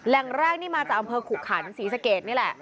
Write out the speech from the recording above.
แหล่งแรกนี่มาจากอำเภอขุขันศรีสะเกดนี่แหละ